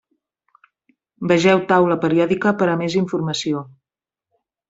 Vegeu taula periòdica per a més informació.